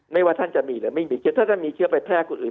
ว่าท่านจะมีหรือไม่มีถ้าท่านมีเชื้อไปแพร่คนอื่น